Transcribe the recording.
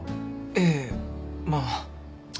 ええまあ。